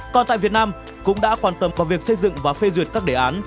còn tại việt nam cũng đã quan tâm vào việc xây dựng và phê duyệt các đề án